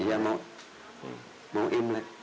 iya mau imlek